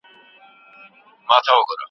ړانده سړي له ږیري سره بې ډاره اتڼ کړی دی.